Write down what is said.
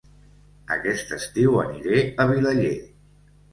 Aquest estiu aniré a Vilaller